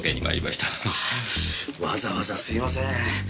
ああわざわざすいません。